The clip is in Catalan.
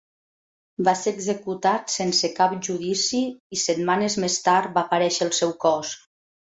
Va ser executat sense cap judici i setmanes més tard va aparèixer el seu cos.